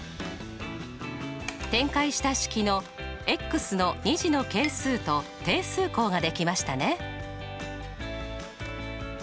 展開した式のの２次の係数と定数項ができましたね。